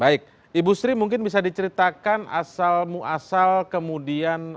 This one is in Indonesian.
baik ibu sri mungkin bisa diceritakan asal muasal kemudian